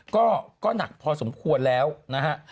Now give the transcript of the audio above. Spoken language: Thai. ก็หนักพอสมควรแล้วนะฮะ